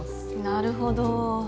なるほど。